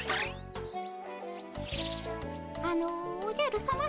あのおじゃるさま。